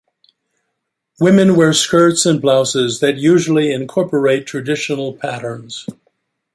Women wear skirts and blouses that usually incorporate traditional patterns.